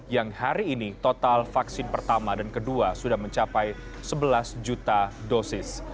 yang hari ini total vaksin pertama dan kedua sudah mencapai sebelas juta dosis